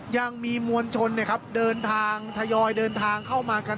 ยังมีมวลชนเดินทางทยอยเดินทางเข้ามากัน